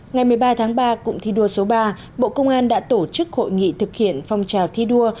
ngày một mươi ba tháng ba cụm thi đua số ba bộ công an đã tổ chức hội nghị thực hiện phong trào thi đua